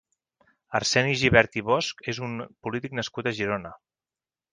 Arseni Gibert i Bosch és un polític nascut a Girona.